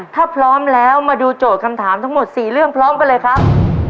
ถ้าพร้อมแล้วมาดูโจทย์คำถามทั้งหมด๔เรื่องพร้อมกันเลยครับ